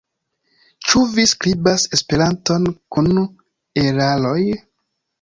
Ĉu vi skribas Esperanton kun eraroj?